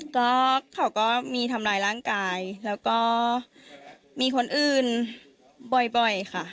ก็เขาก็มีทำร้ายร่างกายแล้วก็มีคนอื่นบ่อยค่ะ